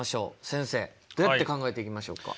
先生どうやって考えていきましょうか？